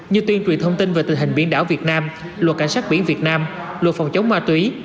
như tuyên truyền thông tin về tình hình biển đảo việt nam luật cảnh sát biển việt nam luật phòng chống ma túy